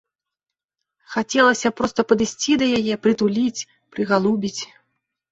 Хацелася проста падысці да яе, прытуліць, прыгалубіць.